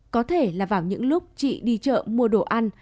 có thể là vào những lúc chị đi chợ mua đồ ăn